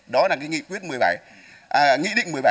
đó là cái nghị quyết một mươi bảy nghị định một mươi bảy